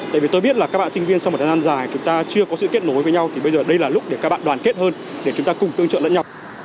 tại vì tôi biết là các bạn sinh viên sau một thời gian dài chúng ta chưa có sự kết nối với nhau thì bây giờ đây là lúc để các bạn đoàn kết hơn để chúng ta cùng tương trợ lẫn nhau